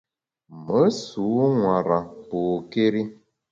Me sû nwara pôkéri.